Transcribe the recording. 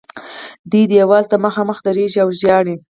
دوی دیوال ته مخامخ درېږي او ژاړي.